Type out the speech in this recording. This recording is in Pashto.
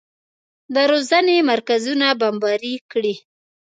د روزنې مرکزونه بمباري کړي.